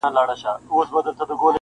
د بلبل بیه سوه لوړه تر زرګونو -